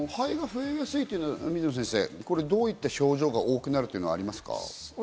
肺で増えやすいというのは水野先生、どういった症状が多くなるとかありますか？